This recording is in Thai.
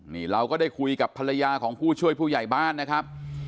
นี่เราก็ได้คุยกับภรรยาของผู้ช่วยผู้ใหญ่บ้านนะครับ